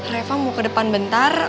reva mau ke depan bentar